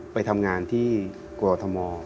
ไปทำงานที่กรทม